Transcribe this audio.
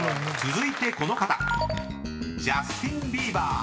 ［続いてこの方］